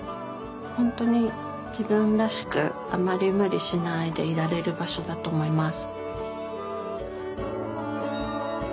本当に自分らしくあんまり無理しないでいられる場所だと思います。